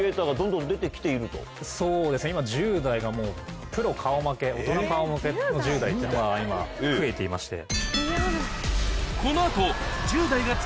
そうですね今１０代がもうプロ顔負け大人顔負けの１０代っていうのが今増えていまして。